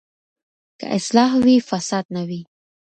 که اصلاح وي، فساد نه وي.